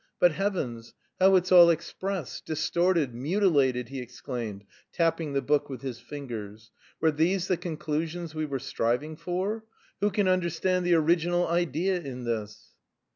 But, heavens! How it's all expressed, distorted, mutilated!" he exclaimed, tapping the book with his fingers. "Were these the conclusions we were striving for? Who can understand the original idea in this?"